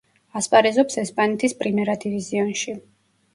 ასპარეზობს ესპანეთის პრიმერა დივიზიონში.